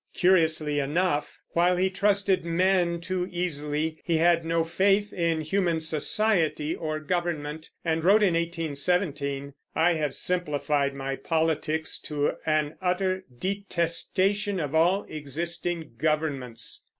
Curiously enough, while he trusted men too easily, he had no faith in human society or government, and wrote in 1817: "I have simplified my politics to an utter detestation of all existing governments."